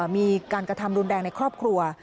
มีการกระทำรุนแรงในครอบครัว